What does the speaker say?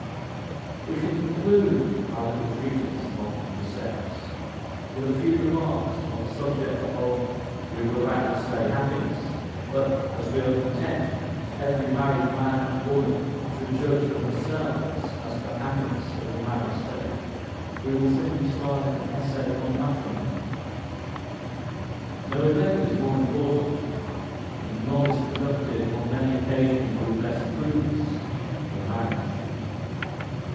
We shall conclude our little treatise on "the sex," with a few remarks on the subject of we were about to say Happiness, but as we are content that every married man and woman should judge for themselves as to the happiness of the married state, we will simply style it an ESSAY ON MATRIMONY. No event is more important, and none is conducted, on many occasions, with less prudence, than Marriage.